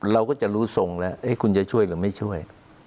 เราก็จะรู้ทรงแล้วคุณจะช่วยหรือไม่ช่วย